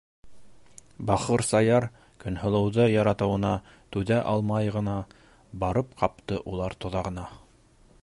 Бахыр Саяр, Көнһылыуҙы яратыуына түҙә алмай ғына барып ҡапты улар тоҙағына!